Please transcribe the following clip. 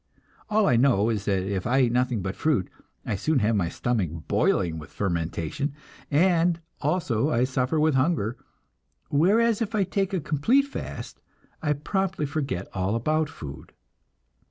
All I know is that if I eat nothing but fruit, I soon have my stomach boiling with fermentation, and also I suffer with hunger; whereas, if I take a complete fast, I promptly forget all about food.